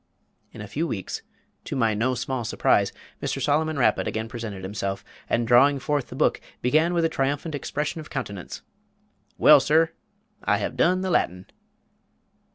In a few weeks, to my no small surprise, Mr. Solomon Rapid again presented himself; and drawing forth the book began with a triumphant expression of countenance: "Well, sir, I have done the Latin."